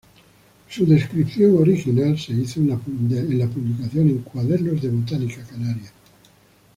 Su descripción original se hizo en la publicación en Cuadernos de Botánica Canaria.